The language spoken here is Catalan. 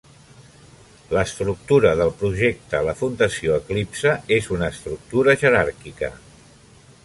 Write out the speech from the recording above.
L'estructura del projecte a la Fundació Eclipse és una estructura jeràrquica.